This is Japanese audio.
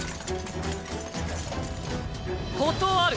断る！